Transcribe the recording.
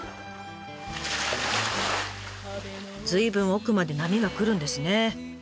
随分奥まで波が来るんですね。